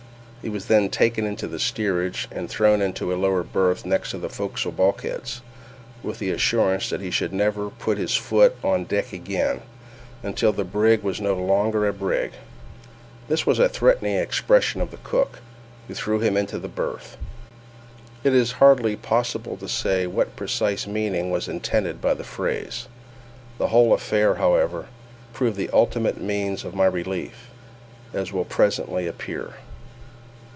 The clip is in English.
He was then taken into the steerage, and thrown into a lower berth next to the forecastle bulkheads, with the assurance that he should never put his foot on deck again "until the brig was no longer a brig." This was the expression of the cook, who threw him into the berth—it is hardly possible to say what precise meaning intended by the phrase. The whole affair, however, proved the ultimate means of my relief, as will presently appear.